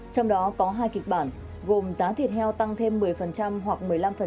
trong đó có hai kịch bản gồm giá thịt heo tăng thêm một mươi hoặc một mươi năm